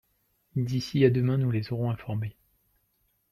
D'ici à demain nous les aurons informés.